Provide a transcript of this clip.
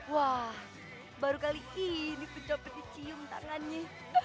wah baru kali ini pencopet dicium tarlanyi